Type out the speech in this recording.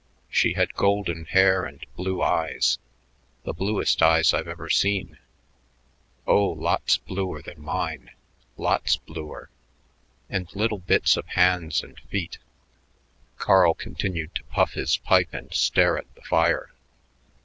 She had golden hair and blue eyes, the bluest eyes I've ever seen; oh, lots bluer than mine, lots bluer. And little bits of hands and feet." Carl continued to puff his pipe and stare at the fire.